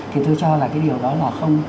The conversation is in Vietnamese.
thì tôi cho là cái điều đó là không